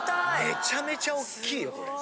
めちゃめちゃおっきいよこれ。